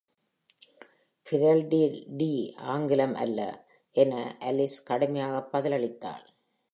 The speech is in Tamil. ‘Fiddle-de-dee’ ஆங்கிலம் அல்ல’, என Alice கடுமையாக பதிலளித்தாள்.